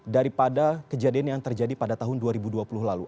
daripada kejadian yang terjadi pada tahun dua ribu dua puluh lalu